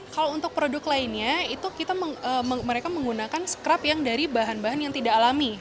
kalau untuk produk lainnya itu mereka menggunakan scrap yang dari bahan bahan yang tidak alami